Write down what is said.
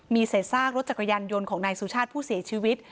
มีเศษซากรถจักรยานยนต์ของนายสุชาติผู้เสียชีวิต